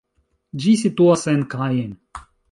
Ĝi situas en Caen.